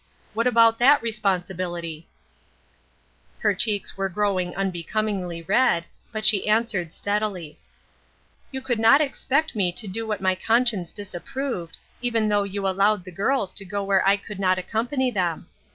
What about that responsibility ?" THE OLD QUESTION. IO3 Her cheeks were growing unbecomingly red, but she answered steadily :—" You could not expect me to do what my con science disapproved, even though you allowed the girls to go where I could not accompany them.